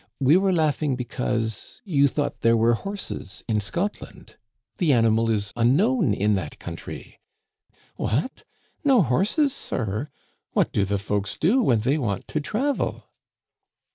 We were laughing because you thought there were horses in Scotland. The ani mal is unknown in that country." " What ! no horses, sir ? What do the folks do when they want to travel